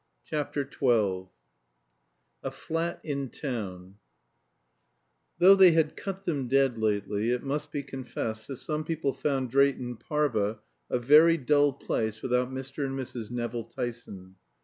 CHAPTER XII A FLAT IN TOWN Though they had cut them dead lately, it must be confessed that some people found Drayton Parva a very dull place without Mr. and Mrs. Nevill Tyson.